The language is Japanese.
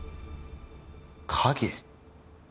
影？